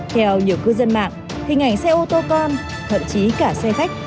theo nhiều cư dân mạng hình ảnh xe ô tô con thậm chí cả xe khách